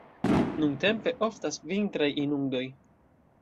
Nuntempe oftas vintraj inundoj.